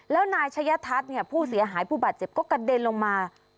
แล้วนายชะยะทัศน์ผู้เสียหายผู้บาดเจ็บก็กระเด็นลงมา